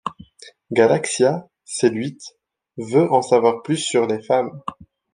Galaxia, séduite, veut en savoir plus sur les femmes.